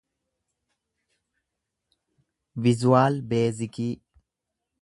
vizuwaal beezikii